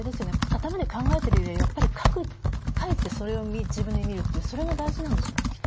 頭で考えているよりやっぱり書いてそれを自分で見るっていうのが大事なんでしょうね。